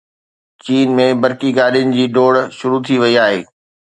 چين ۾ برقي گاڏين جي ڊوڙ شروع ٿي وئي آهي